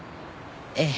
ええ。